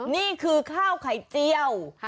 นี่คือข้าวไข่เจียว